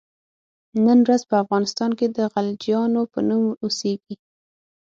نن ورځ په افغانستان کې د غلجیانو په نوم اوسیږي.